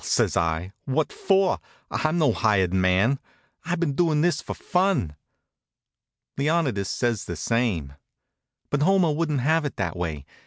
says I. "What for? I'm no hired man. I've been doin' this for fun." Leonidas says the same. But Homer wouldn't have it that way.